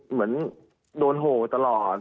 เหมือนโดนโหตลอด